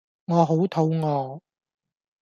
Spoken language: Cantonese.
我好肚餓